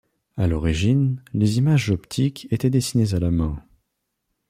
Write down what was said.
À l'origine, les images optiques étaient dessinées à la main.